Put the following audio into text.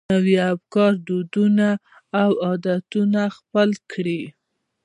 نوي افکار، دودونه او عادتونه خپل کړي.